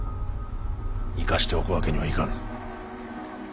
生かしておくわけにはいかぬ。